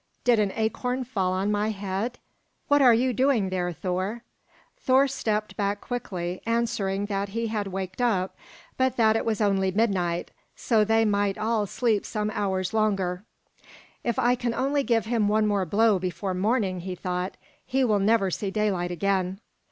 Did an acorn fall on my head? What are you doing there, Thor?" Thor stepped back quickly, answering that he had waked up, but that it was only midnight, so they might all sleep some hours longer. "If I can only give him one more blow before morning," he thought, "he will never see daylight again."